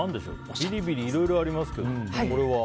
ビリビリ、いろいろありますけど。